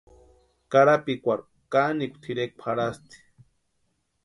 Karapikwarhu kanikwa tʼirekwa jarhasti.